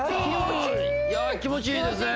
いやあ気持ちいいですね